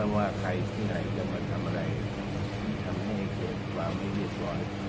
ว่าใครที่ไหนจะมาทำอะไรทำให้เกิดความไม่เรียบร้อย